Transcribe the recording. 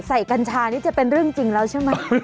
กัญชานี่จะเป็นเรื่องจริงแล้วใช่ไหม